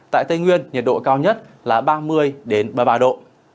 tại tây nguyên nhiệt độ cao nhất là ba mươi ba mươi ba độ